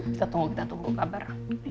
kita tunggu tunggu kabar